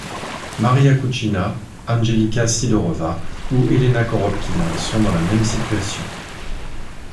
Mariya Kuchina, Anzhelika Sidorova ou Elena Korobkina sont dans la même situation.